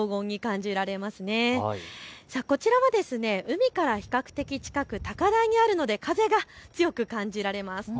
こちらは海から比較的近く、高台にあるので風が強く感じられます。